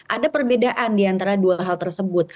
ada perbedaan di antara dua hal tersebut